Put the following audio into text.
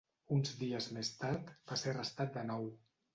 Uns dies més tard, va ser arrestat de nou.